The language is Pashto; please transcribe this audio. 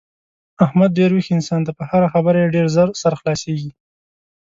احمد ډېر ویښ انسان دی په هره خبره یې ډېر زر سر خلاصېږي.